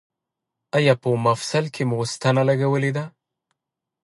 ایا په مفصل کې مو ستنه لګولې ده؟